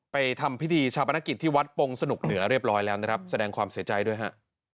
ทำพิธีชาปนกิจที่วัดปงสนุกเหนือเรียบร้อยแล้วนะครับแสดงความเสียใจด้วยฮะ